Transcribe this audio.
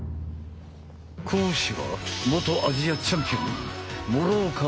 講師は元アジアチャンピオン諸岡奈央。